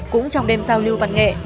cũng trong đêm giao lưu văn nghệ